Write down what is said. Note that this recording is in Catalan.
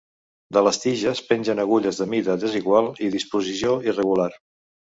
De les tiges pengen agulles de mida desigual i disposició irregular.